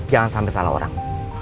jangan sampai salah orang